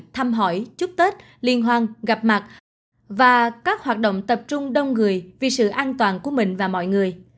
thăm hỏi chúc tết liên hoan gặp mặt và các hoạt động tập trung đông người vì sự an toàn của mình và mọi người